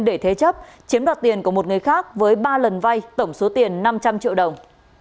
để thế chấp chiếm đoạt tiền của một người khác với ba lần vay tổng số tiền năm trăm linh triệu đồng